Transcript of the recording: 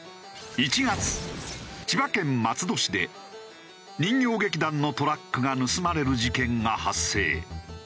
１月千葉県松戸市で人形劇団のトラックが盗まれる事件が発生。